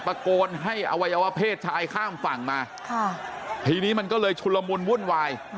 ตะโกนให้อวัยวะเพศชายข้ามฝั่งมาทีนี้มันก็เลยชุลมุนวุ่นวาย